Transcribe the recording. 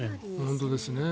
本当ですね。